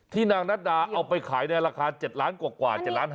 นางนัดดาเอาไปขายในราคา๗ล้านกว่า๗๕๐